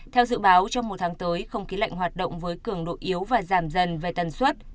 theo dự báo trong một tháng tới không khí lạnh hoạt động với cường độ yếu và giảm dần về tần suất